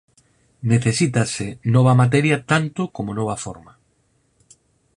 Necesítase nova materia tanto como nova forma.